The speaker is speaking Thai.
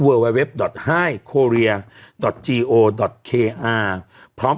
เวิร์ดไวร์เว็บดอร์ดไฮด์โคเรียดอร์ดจีโอดอร์ดเคอาร์พร้อม